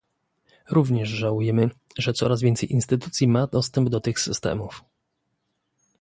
Również żałujemy, że coraz więcej instytucji ma dostęp do tych systemów